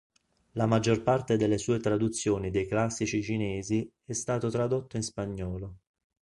La maggior parte delle sue traduzioni dei classici cinesi e stato tradotto in spagnolo.